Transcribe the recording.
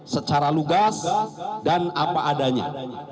secara lugas dan apa adanya